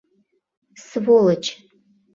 — Сволочь».